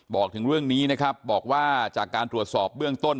บอกถึงเรื่องนี้นะครับบอกว่าจากการตรวจสอบเบื้องต้น